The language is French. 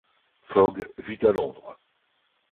Fogg vit à Londres.